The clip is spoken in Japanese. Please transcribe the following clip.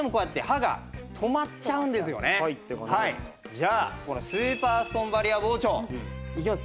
じゃあこのスーパーストーンバリア包丁。いきます。